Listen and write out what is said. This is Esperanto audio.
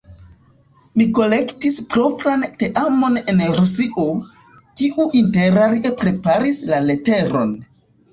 Mi kolektis propran teamon en Rusio, kiu interalie preparis la leteron.